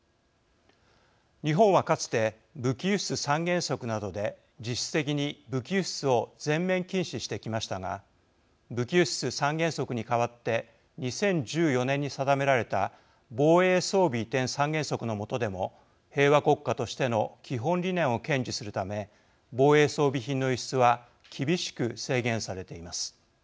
日本はかつて武器輸出三原則などで実質的に武器輸出を全面禁止してきましたが武器輸出三原則に代わって２０１４年に定められた防衛装備移転三原則の下でも平和国家としての基本理念を堅持するため防衛装備品の輸出は厳しく制限されています。